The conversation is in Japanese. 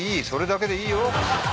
それだけでいいよ。